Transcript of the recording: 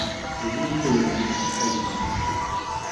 Les lignes polonaises sont très vite enfoncées.